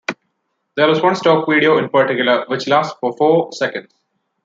There is one stock video in particular which lasts for four seconds.